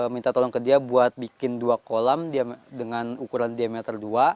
minta tolong ke dia buat bikin dua kolam dengan ukuran diameter dua